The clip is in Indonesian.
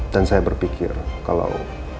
dan saya berpikir kalau